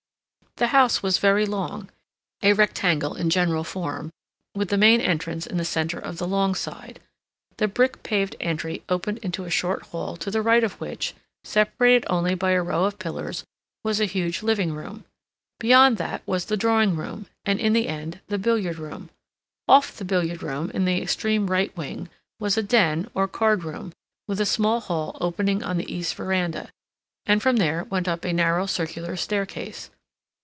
The house was very long, a rectangle in general form, with the main entrance in the center of the long side. The brick paved entry opened into a short hall to the right of which, separated only by a row of pillars, was a huge living room. Beyond that was the drawing room, and in the end, the billiard room. Off the billiard room, in the extreme right wing, was a den, or card room, with a small hall opening on the east veranda, and from there went up a narrow circular staircase.